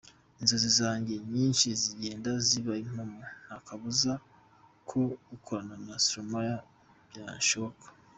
Inzozi zanjye nyinshi zigenda ziba impamo, nta kabuza ko no gukorana na Stromae byashoboka.